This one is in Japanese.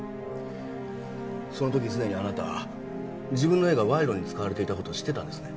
その時すでにあなたは自分の絵が賄賂に使われていた事知ってたんですね？